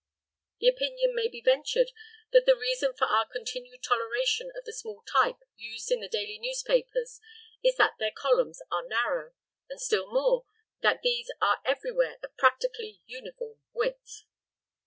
The opinion may be ventured that the reason for our continued toleration of the small type used in the daily newspapers is that their columns are narrow, and still more, that these are everywhere of practically uniform width.